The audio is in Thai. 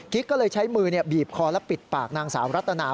ก็เลยใช้มือบีบคอและปิดปากนางสาวรัตนา